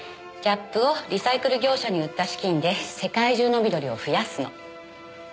キャップをリサイクル業者に売った資金で世界中の緑を増やすの。